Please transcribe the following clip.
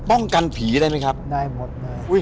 ป้องกันผีได้ไหมครับได้หมดได้